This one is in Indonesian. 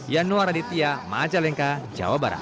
yanuar aditya majalengka jawa barat